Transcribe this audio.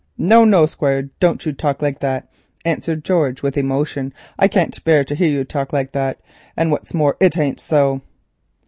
"No, no, Squire, don't you talk like that," answered George with emotion. "I can't bear to hear you talk like that. And what's more it ain't so."